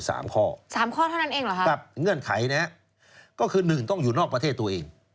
๓ข้อเท่านั้นเองหรือครับกับเงื่อนไขนี้ก็คือ๑ต้องอยู่นอกประเทศตัวเอง